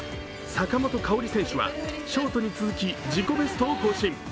坂本花織選手はショートに続き自己ベストを更新。